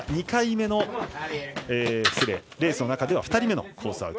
２回目のレースの中では２人目のコース